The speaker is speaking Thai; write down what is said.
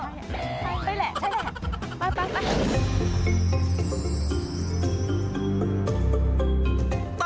ใช่แหละไป